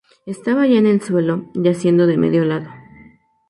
Estaba ya en el suelo, yaciendo de medio lado.